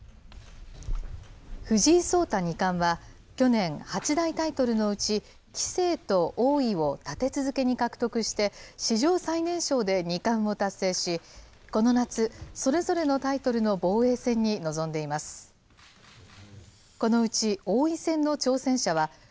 藤井聡太二冠は、去年、八大タイトルのうち、棋聖と王位を立て続けに獲得して、史上最年少で二冠を達成し、この夏、それぞれのタイトルの防衛戦に臨んでいます。